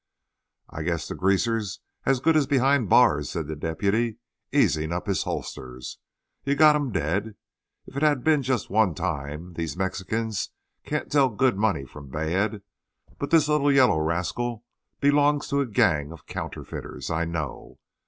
"I guess the Greaser's as good as behind the bars," said the deputy, easing up his holsters. "You've got him dead. If it had been just one time, these Mexicans can't tell good money from bad; but this little yaller rascal belongs to a gang of counterfeiters, I know.